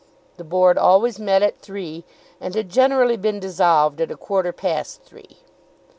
The Board always met at three, and had generally been dissolved at a quarter past three.